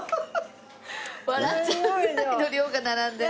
笑っちゃうぐらいの量が並んでる。